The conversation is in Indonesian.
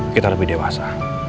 kita lebih dewasa